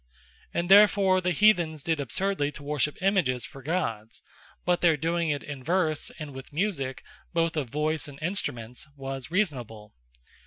And therefore the Heathens did absurdly, to worship Images for Gods: But their doing it in Verse, and with Musick, both of Voyce, and Instruments, was reasonable.